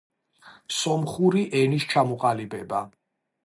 სომხური ენის ჩამოყალიბება.